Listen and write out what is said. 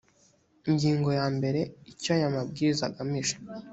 ingingo ya mbere icyo aya mabwiriza agamije